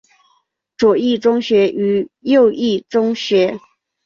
左翼宗学与右翼宗学。